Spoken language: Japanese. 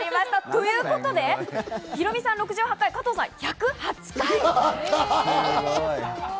ということで、ヒロミさん６８回、加藤さん１０８回。